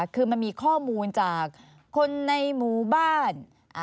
คือมันมีข้อมูลจากคนในหมู่บ้าน